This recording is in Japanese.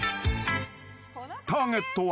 ［ターゲットは］